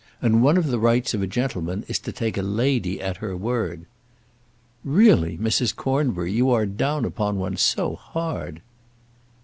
And one of the rights of a gentleman is to take a lady at her word." "Really, Mrs. Cornbury, you are down upon one so hard."